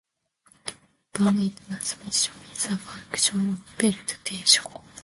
Power transmission is a function of belt tension.